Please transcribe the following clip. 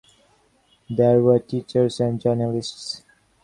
There were teachers and journalists.